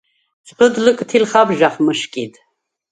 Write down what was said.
ძღჷდ ლჷკთილ ხაბჟახ მჷშკიდ.